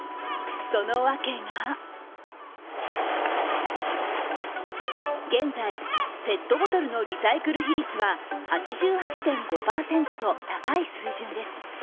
そのわけが現在ペットボトルのリサイクル比率は８８．５％と高い水準です。